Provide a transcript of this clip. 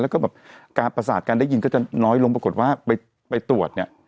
แล้วก็แบบการประสาทการได้ยินก็จะน้อยลงปรากฏว่าไปตรวจเนี่ย